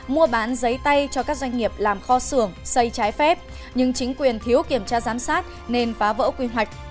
mua bán giấy tay cho các doanh nghiệp làm kho xưởng xây trái phép nhưng chính quyền thiếu kiểm tra giám sát nên phá vỡ quy hoạch